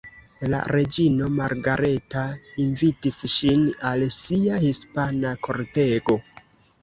La reĝino Margareta invitis ŝin al sia hispana kortego.